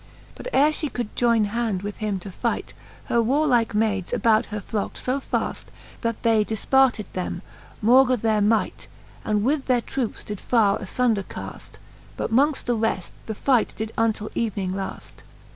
But ere fhe could joyne hand with him to fight, Her warlike maides about her flockt fo faft, That they difparted them, maugre their might, And with their troupes did far a funder caft : But mongft the reft the fight did untill evening laft.